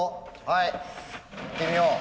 はいいってみよう。